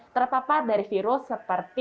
terpapar dari virus seperti